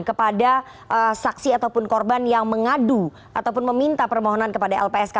kepada saksi ataupun korban yang mengadu ataupun meminta permohonan kepada lpsk